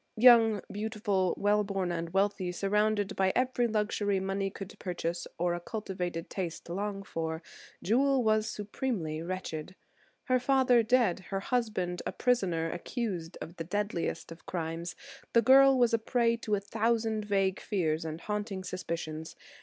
Young, beautiful, well born, and wealthy, surrounded by every luxury money could purchase or a cultivated taste long for, Jewel was supremely wretched. Her father dead, her husband a prisoner, accused of the deadliest of crimes, the girl was a prey to a thousand vague fears and haunting suspicions.